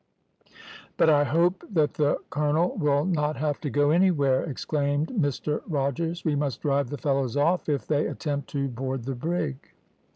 "`But I hope that the colonel will not have to go anywhere,' exclaimed Mr Rogers. `We must drive the fellows off if they attempt to board the brig.'